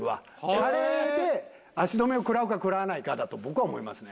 カレーで足止めを食らうか食らわないかだと僕は思いますね。